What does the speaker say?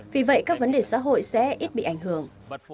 vì vậy các vấn đề xã hội sẽ ít bị ảnh hưởng